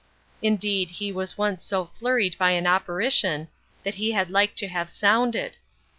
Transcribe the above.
Indeed, he was once so flurried by an operition, that he had like to have sounded.